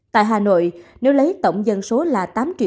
tại hà nội nếu lấy tổng dân số là tám năm mươi ba sáu trăm sáu mươi ba